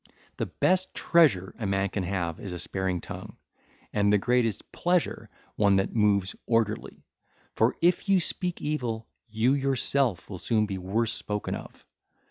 The best treasure a man can have is a sparing tongue, and the greatest pleasure, one that moves orderly; for if you speak evil, you yourself will soon be worse spoken of.